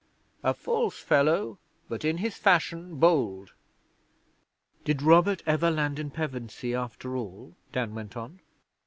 A false fellow, but, in his fashion, bold.' 'Did Robert ever land in Pevensey after all?' Dan went on.